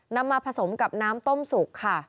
นำมาผสมกับน้ำต้มสุกค่ะ